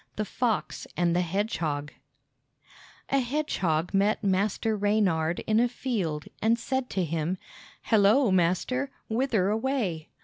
The Fox and the Hedgehog A hedgehog met Master Reynard in a field, and said to him, "Hello, master! Whither away?"